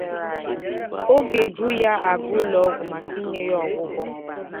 oge e bu ya aga ụlọọgwụ maka inye ya ọgwụgwọ.